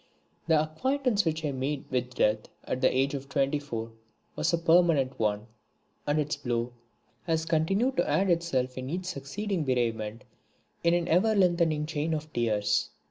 The acquaintance which I made with Death at the age of twenty four was a permanent one, and its blow has continued to add itself to each succeeding bereavement in an ever lengthening chain of tears.